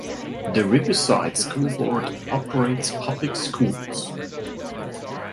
The Riverside School Board operates public schools.